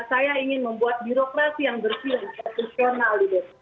saya ingin membuat birokrasi yang bersih dan profesional